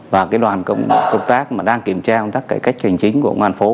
và cái đoàn công tác mà đang kiểm tra tất cả các hành chính của công an thành phố